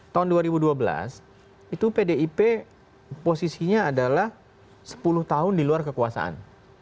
tahun dua ribu dua belas itu pdip posisinya adalah sepuluh tahun di luar kekuasaan